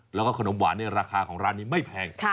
แล้วก็ขนมหวานในราคาของร้านนี้ไม่แพง